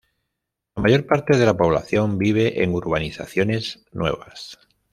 La mayor parte de la población vive en urbanizaciones nuevas.